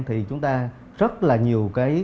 thì chúng ta rất là nhiều cái